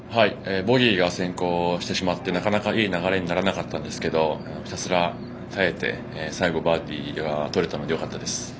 ボギーが先行してしまってなかなか、いい流れにならなかったんですけどひたすら耐えて最後バーディーがとれたのでよかったです。